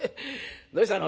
どうしたの？